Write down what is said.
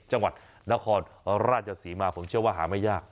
จังหวัดนครราชศรีมาผมเชื่อว่าหาไม่ยาก